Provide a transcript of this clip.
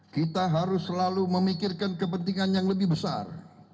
kita harus selalu memikirkan kepentingan yang lebih besar